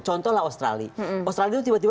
contohlah australia australia itu tiba tiba